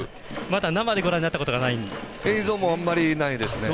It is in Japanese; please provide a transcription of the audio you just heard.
まだ生でご覧になったことがないんですね。